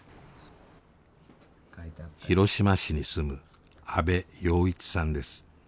広島市に住む安部暢一さんです。